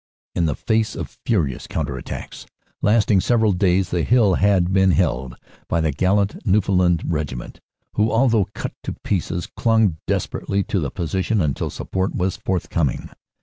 In the face of furious counter attacks lasting several days the hill had then been held by the gallant Newfoundland Regiment, who although cut to pieces clung desperately to the position until support was forthcoming.